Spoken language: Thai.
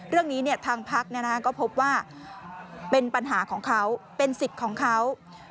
เรื่องนี้ทางพักก็พบว่าเป็นปัญหาของเขาเป็นสิทธิ์ของเขา